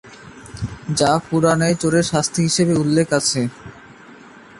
যা কুরআনে চোরের শাস্তি হিসেবে উল্লেখ আছে।